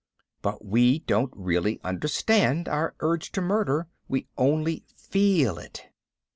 But we don't really understand our urge to murder, we only feel it.